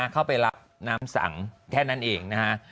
เข้าไปรับน้ำสังแค่นั้นเองนะฮะ